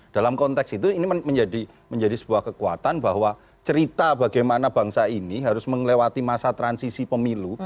dalam konteks itu ini menjadi sebuah kekuatan bahwa cerita bagaimana bangsa ini harus melewati masa transisi pemilu